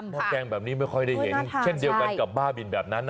แกงแบบนี้ไม่ค่อยได้เห็นเช่นเดียวกันกับบ้าบินแบบนั้น